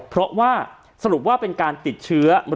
เพราะว่าสรุปว่าเป็นการติดเชื้อ